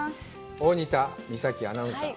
大仁田美咲アナウンサー。